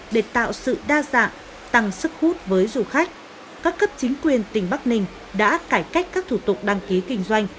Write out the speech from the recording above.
để tạo sự đa dạng tăng sức hút với du khách các cấp chính quyền tỉnh bắc ninh đã cải cách các thủ tục đăng ký kinh doanh